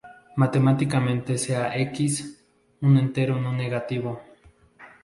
Matemáticamente, sea "X" un entero no negativo.